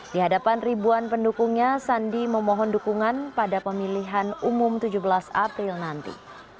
di hadapan ribuan pendukungnya sandi memohon dukungan pada pemilihan umum tujuh belas april nanti